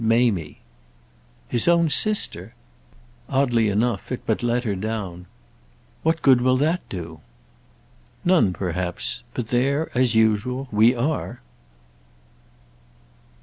"Mamie." "His own sister?" Oddly enough it but let her down. "What good will that do?" "None perhaps. But there—as usual—we are!"